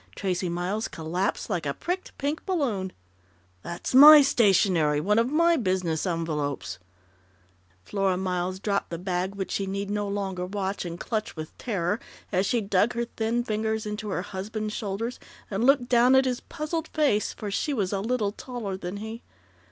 Tracey Miles collapsed like a pricked pink balloon. "That's my stationery one of my business envelopes " Flora Miles dropped the bag which she need no longer watch and clutch with terror, as she dug her thin fingers into her husband's shoulders and looked down at his puzzled face, for she was a little taller than he.